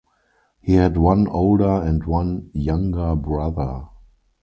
He had one older and one younger brother.